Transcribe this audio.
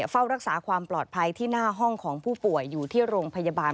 เฝ้ารักษาความปลอดภัยที่หน้าห้องของผู้ป่วยอยู่ที่โรงพยาบาล